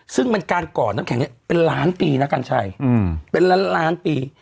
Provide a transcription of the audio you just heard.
ซึ่งมันก่อนน้ำแข็งเป็นล้านปีนะกางชัยเป็นล้านปี